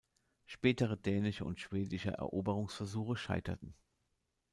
Spätere dänische und schwedische Eroberungsversuche scheiterten.